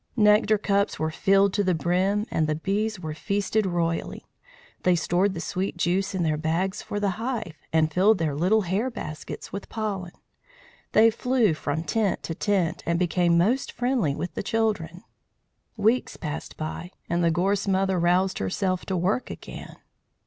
Nectar cups were filled to the brim, and the bees were feasted royally. They stored the sweet juice in their bags for the hive, and filled their little hair baskets with pollen. They flew from tent to tent, and became most friendly with the children. Weeks passed by, and the Gorse Mother roused herself to work again.